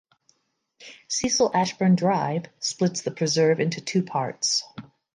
Cecil Ashburn Drive splits the preserve into two parts.